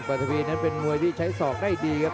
ทวีนั้นเป็นมวยที่ใช้ศอกได้ดีครับ